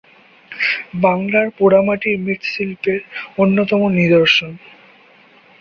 বাংলার পোড়ামাটির মৃৎশিল্পের অন্যতম নিদর্শন।